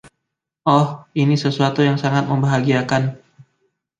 Oh, ini sesuatu yang sangat membahagiakan.